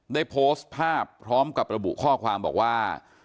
ได้โพสต์ภาพพร้อมกับระบุข้อความบอกว่า